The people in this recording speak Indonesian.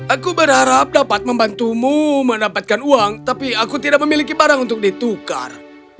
aku berharap dapat membantumu mendapatkan uang tapi aku tidak memiliki barang untuk ditukar